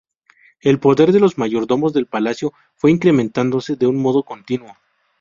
El poder de los mayordomos de palacio fue incrementándose de un modo continuo.